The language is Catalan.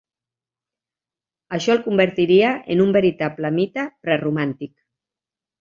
Això el convertiria en un veritable mite preromàntic.